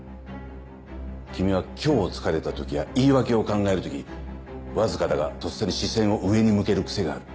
君は虚を突かれた時や言い訳を考える時わずかだがとっさに視線を上に向ける癖がある。